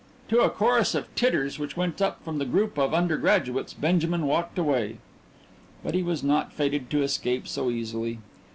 To a chorus of titters which went up from the group of undergraduates, Benjamin walked away. But he was not fated to escape so easily.